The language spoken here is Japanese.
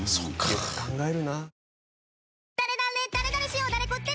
よく考えるな。